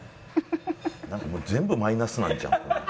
なんか全部マイナスなんちゃうん？